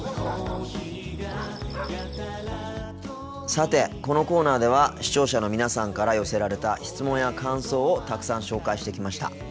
さてこのコーナーでは視聴者の皆さんから寄せられた質問や感想をたくさん紹介してきました。